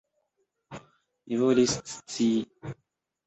Mi volis scii!